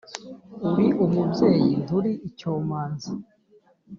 uli umubyeyi ntuli icyomanzi